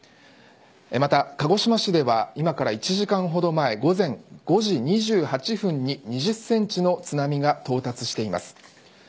また鹿児島市では今から１時間ほど前午前５時２８分に２０センチの津波が到達しています。